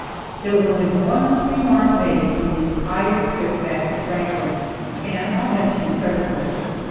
There was only one remark made on the entire trip back to Franklin, and I'll mention it presently.